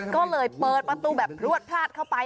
ก็เลยเปิดประตูแบบพลวดพลาดเข้าไป